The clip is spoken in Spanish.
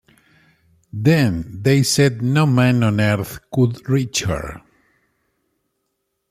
Then they said no man on earth could reach her.